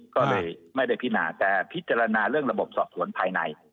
ก็เลยไม่ได้พินาแต่พิจารณาเรื่องระบบสอบสวนภายใน